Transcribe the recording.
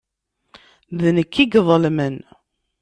D nekk ay iḍelmen.